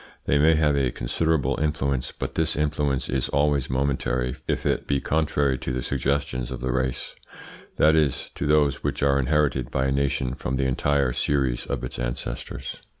They may have a considerable influence, but this influence is always momentary if it be contrary to the suggestions of the race; that is, to those which are inherited by a nation from the entire series of its ancestors.